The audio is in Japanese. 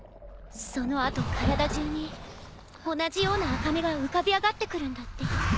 その後体中に同じような赤目が浮かび上がってくるんだって。